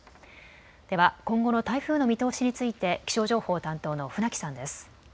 では今後の台風の見通しについて気象情報担当の船木さんです。